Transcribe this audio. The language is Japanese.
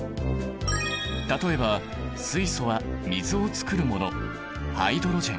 例えば水素は水を作るもの